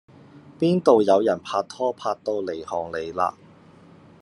邊道有人拍拖拍到離行離迾